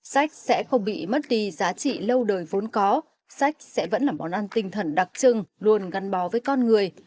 sách sẽ không bị mất đi giá trị lâu đời vốn có sách sẽ vẫn là món ăn tinh thần đặc trưng luôn gắn bó với con người